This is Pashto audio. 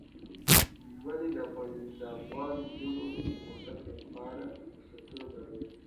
منی د افغان نجونو د پرمختګ لپاره فرصتونه برابروي.